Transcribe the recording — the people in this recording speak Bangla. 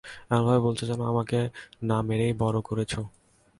এমনভাবে বলছো যেন, আমাকে না মেরেই বড়ো করেছো।